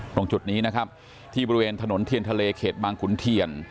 ตรงจุดนี้นะครับที่บริเวณถนนเทียนทะเลเขตบางขุนเทียน